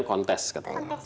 urm ganti baju terus